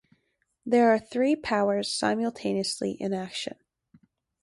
There are three powers simultaneously in action.